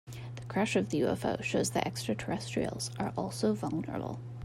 The crash of the UFO shows that extraterrestrials are also vulnerable.